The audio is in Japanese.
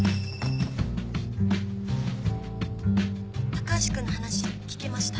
高橋君の話聞きました。